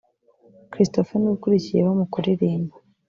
christopher niwe ukurikiyeho mu kuririmba